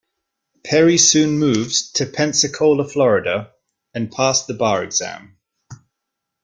Perry soon moved to Pensacola, Florida and passed the bar exam.